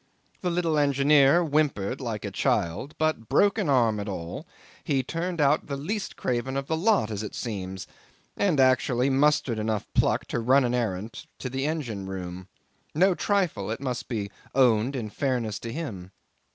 'The little engineer whimpered like a child, but, broken arm and all, he turned out the least craven of the lot as it seems, and, actually, mustered enough pluck to run an errand to the engine room. No trifle, it must be owned in fairness to him.